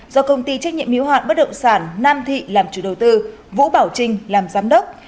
do công ty trách nhiệm hiếu hạn bất động sản nam thị làm chủ đầu tư vũ bảo trinh làm giám đốc